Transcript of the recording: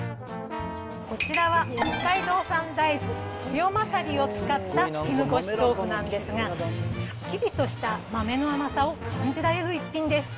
こちらは北海道産大豆、とよまさりを使った絹ごし豆腐なんですが、すっきりとした豆の甘さを感じられる逸品です。